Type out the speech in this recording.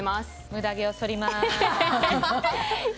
無駄毛をそります。